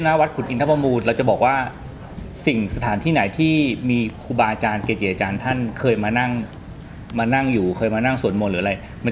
น่าจะดูภาษานี้ว่าถ้าวัดขุดอินทรรพวม